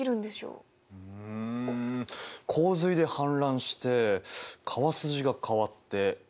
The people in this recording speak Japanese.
うん洪水で氾濫して川筋が変わって。